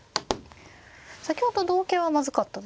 先ほど同桂はまずかったですよね。